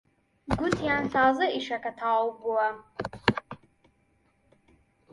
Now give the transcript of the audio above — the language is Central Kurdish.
گوتیان تازە ئیشەکە تەواو بووە